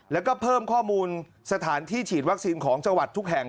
แล้วก็เพิ่มข้อมูลสถานที่ฉีดวัคซีนของจังหวัดทุกแห่ง